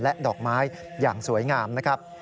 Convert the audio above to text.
และดอกไม้อย่างสวยงามนะครับ